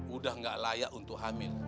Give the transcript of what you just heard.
udah gak layak untuk hamil